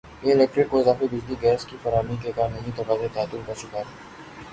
کے الیکٹرک کو اضافی بجلی گیس کی فراہمی کے قانونی تقاضے تعطل کا شکار